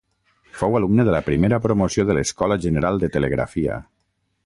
Fou alumne de la primera promoció de l'Escola General de Telegrafia.